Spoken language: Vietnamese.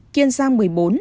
kiên giang một mươi bốn